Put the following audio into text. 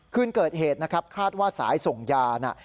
คืนเกิดเหตุนะครับคาดว่าสายส่งยาน่ะ